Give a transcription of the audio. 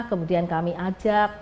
kemudian kami ajak